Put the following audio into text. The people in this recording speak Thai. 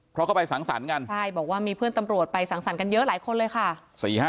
เพราะเขาไปสังสรรค์กันใช่บอกว่ามีเพื่อนตำรวจไปสังสรรค์กันเยอะหลายคนเลยค่ะ